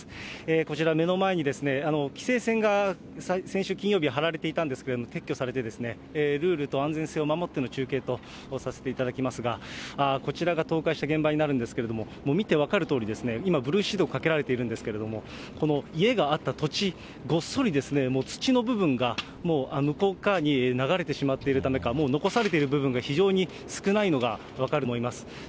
こちら、目の前に規制線が先週金曜日、張られていたんですけれども、撤去されて、ルールと安全性を守っての中継とさせていただきますが、こちらが倒壊した現場になるんですけれども、見て分かるとおり、今、ブルーシートかけられてるんですけれども、この家があった土地、ごっそりもう土の部分が、もう向こう側に流れてしまっているためか、もう残されている部分が非常に少ないのが分かると思います。